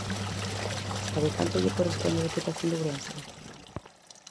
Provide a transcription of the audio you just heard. ¿Sabe canto lle corresponde á Deputación de Ourense?